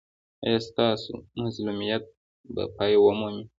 ایا ستاسو مظلومیت به پای ومومي؟